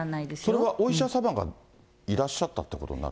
それはお医者様がいらっしゃったってことになった？